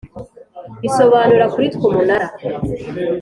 bisobanura kuri twe Umunara